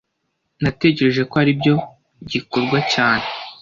Natekereje ko aribyo gikorwa cyawe.